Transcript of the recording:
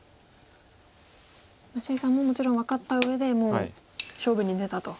謝さんももちろん分かったうえでもう勝負に出たと。